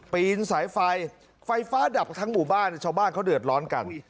ปีนสายไฟไฟฟ้าดับทั้งหมู่บ้านชาวบ้านเขาเดือดร้อนกัน